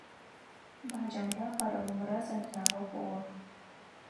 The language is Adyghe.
Баджэмрэ къэрэумрэ зэблагъэ хъугъэх.